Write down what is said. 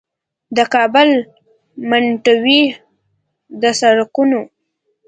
د کابل منډوي د سړکونو